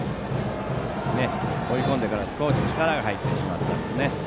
追い込んでから少し力が入ってしまいましたね。